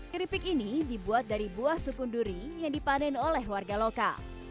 keripik ini dibuat dari buah sukun duri yang dipanen oleh warga lokal